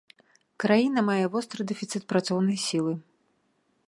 Краіна мае востры дэфіцыт працоўнай сілы.